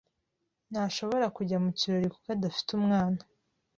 Ntashobora kujya mu kirori kuko adafite umwana.